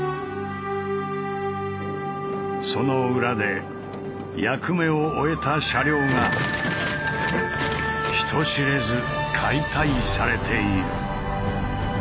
その裏で役目を終えた車両が人知れず解体されている。